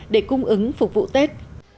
để cung ứng phục vụ tết